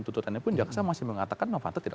tuntutannya pun jaksa masih mengatakan novanto tidak